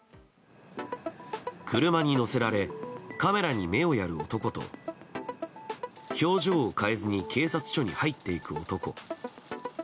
車に乗せられカメラに目をやる男と表情を変えずに警察署に入っていく男。